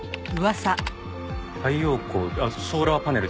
太陽光ソーラーパネルですか？